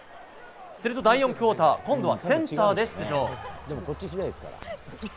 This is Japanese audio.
すると、第４クオーター今度はセンターで出場。